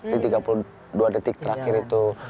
di tiga puluh dua detik terakhir itu